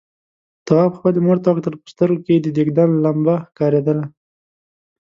تواب خپلې مور ته وکتل، په سترګوکې يې د دېګدان لمبه ښکارېدله.